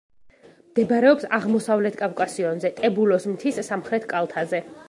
მდებარეობს აღმოსავლეთ კავკასიონზე, ტებულოს მთის სამხრეთ კალთაზე.